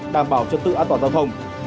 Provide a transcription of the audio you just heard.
đảm bảo trật tự an toàn giao thông